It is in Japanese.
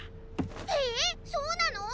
えそうなの！？